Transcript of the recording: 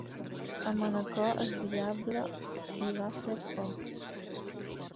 A Manacor el diable s'hi va fer por.